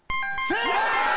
正解。